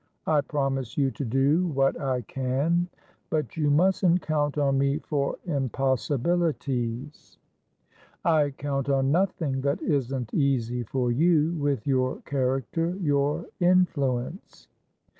"I promise you to do what I can. But you mustn't count on me for impossibilities." "I count on nothing that isn't easy for youwith your character, your influence."